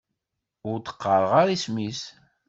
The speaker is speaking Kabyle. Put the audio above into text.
Ur d-qqareɣ ara isem-is.